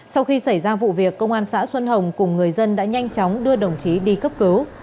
sau khi xảy ra vụ việc công an xã xuân hồng cùng người dân đã nhanh chóng đưa đồng chí đi cấp cứu